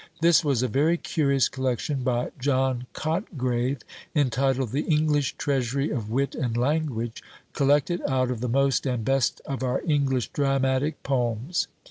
This was a very curious collection by John Cotgrave, entitled "The English Treasury of Wit and Language, collected out of the most, and best, of our English Dramatick Poems."